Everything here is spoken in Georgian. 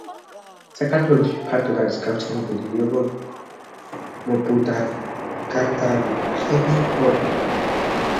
საქართველოში ფართოდ არის გავრცელებული, როგორც მობუდარი გადამფრენი ფორმა.